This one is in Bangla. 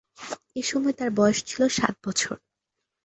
এসময় তার বয়স ছিল সাত বছর।